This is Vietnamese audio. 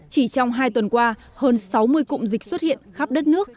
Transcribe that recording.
chỉ trong hai tuần qua hơn sáu mươi cụm dịch xuất hiện khắp đất nước